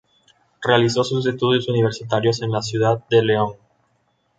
Realizó sus estudios universitarios en la ciudad de León.